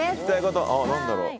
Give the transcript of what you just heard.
ああ何だろう？